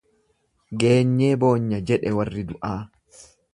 Geenyee boonya jedhe warri du'aa.